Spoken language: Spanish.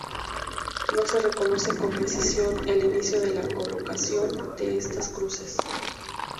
No se conoce con precisión el inicio de la colocación de estas cruces.